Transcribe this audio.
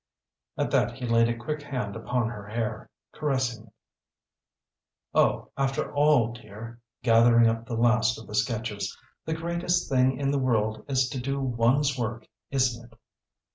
At that he laid a quick hand upon her hair, caressing it. "Oh, after all, dear," gathering up the last of the sketches "the greatest thing in the world is to do one's work isn't it?"